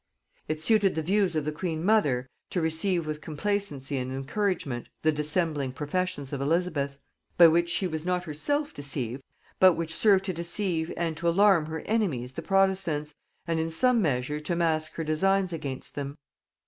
It suited the views of the queen mother to receive with complacency and encouragement the dissembling professions of Elizabeth; by which she was not herself deceived, but which served to deceive and to alarm her enemies the protestants, and in some measure to mask her designs against them.